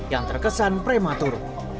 yang terkesan prematur